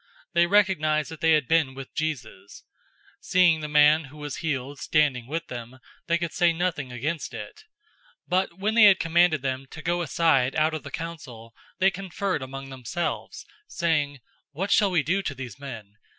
They recognized that they had been with Jesus. 004:014 Seeing the man who was healed standing with them, they could say nothing against it. 004:015 But when they had commanded them to go aside out of the council, they conferred among themselves, 004:016 saying, "What shall we do to these men?